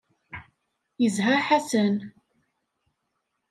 Yezha Ḥasan.